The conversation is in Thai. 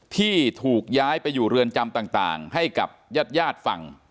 ที่ถูกย้ายไปอยู่เรือนจำต่างให้กับญาติญาติฟัง